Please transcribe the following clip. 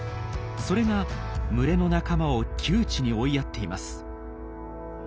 それが群れの仲間を窮地に追いやっています。